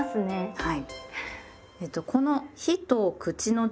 はい。